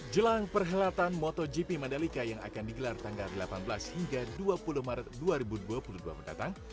jelang perhelatan motogp mandalika yang akan digelar tanggal delapan belas hingga dua puluh maret dua ribu dua puluh dua mendatang